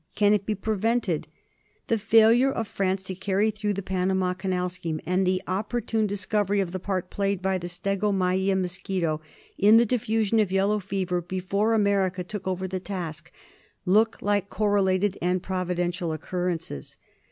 Can it be prevented ? The failure of France to carry through the Panama Canal scheme, and the opportune discovery of the part played by the stegomyia mosquito in the diffusion of yellow fever before America took over the task, look like correlated and providential occurrences.